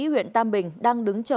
huyện tam bình đang đứng chờ